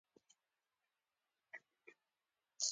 حقیقت وجود لري، خو درواغ بیا کشف او جوړیږي.